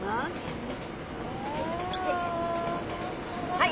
はい！